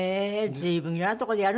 随分いろんなとこでやるんですね。